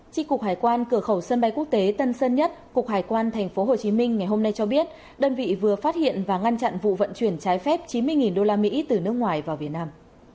trị cục hải quan cửa khẩu sân bay quốc tế tân sơn nhất cục hải quan tp hcm ngày hôm nay cho biết đơn vị vừa phát hiện và ngăn chặn vụ vận chuyển trái phép chín mươi usd từ nước ngoài vào việt nam